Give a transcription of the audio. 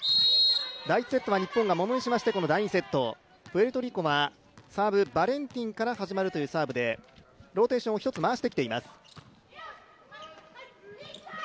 第１セットは日本がものにしまして第２セットプエルトリコは、バレンティンから始まるというサーブでローテーションを１つ回してきています。